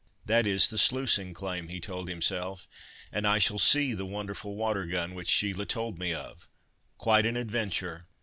"That is the sluicing claim," he told himself, "and I shall see the wonderful 'water gun,' which Sheila told me of. Quite an adventure!"